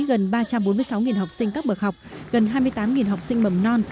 gần ba trăm bốn mươi sáu học sinh các bậc học gần hai mươi tám học sinh mầm non